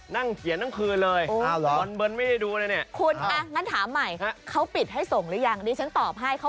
เดี๋ยวไว้รอส่งปีหน้า